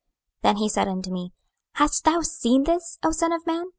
26:008:017 Then he said unto me, Hast thou seen this, O son of man?